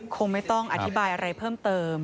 คงไม่ต้องอธิบายอะไรเพิ่มเติม